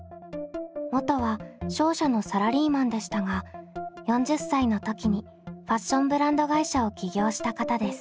元は商社のサラリーマンでしたが４０歳の時にファッションブランド会社を起業した方です。